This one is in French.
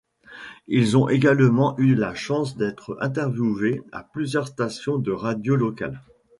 Ils ont également eu la chance d’être interviewés à plusieurs stations de radio locales.